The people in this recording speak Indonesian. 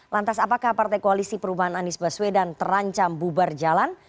lantas apakah partai koalisi perubahan anies baswedan terancam bubar jalan